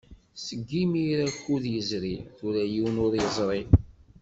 Seg imir akud yezri, tura yiwen ur yeẓri.